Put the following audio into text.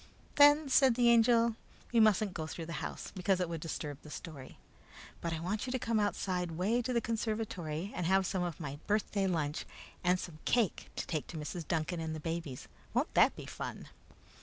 "Then," said the Angel, "we mustn't go through the house, because it would disturb the story; but I want you to come the outside way to the conservatory and have some of my birthday lunch and some cake to take to Mrs. Duncan and the babies. Won't that be fun?"